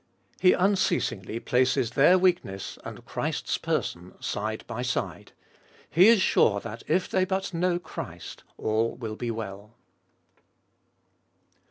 He unceasingly places their weakness and Christ's person side by side : he is sure that, if they but know Christ, all will be well.